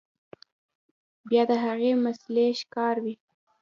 بيا د هغې مسئلې ښکار وي